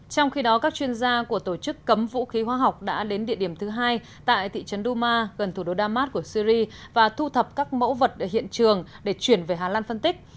trong khi đó các chuyên gia của tổ chức cấm vũ khí hóa học đã đến địa điểm thứ hai tại thị trấn duma gần thủ đô damas của syri và thu thập các mẫu vật ở hiện trường để chuyển về hà lan phân tích